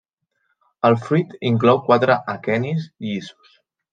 El fruit inclou quatre aquenis llisos.